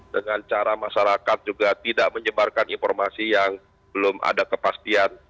dengan cara masyarakat juga tidak menyebarkan informasi yang belum ada kepastian